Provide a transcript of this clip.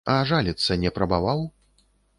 А жаліцца не прабаваў?